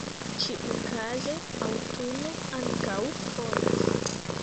Ĉiukaze, aŭtuno ankaŭ bonas.